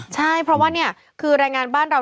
ใช่เพราะว่านี่คือรายงานบ้านเรา